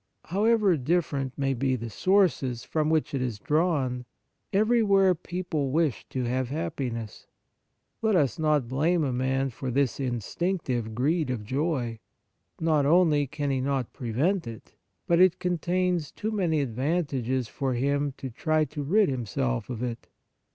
However different may be the sources from which it is drawn, everywhere people wish to have happiness. Let us not blame a man for this instinctive greed of joy. Not only can he not prevent it, but it contains too many advantages for him to try to rid himself of it.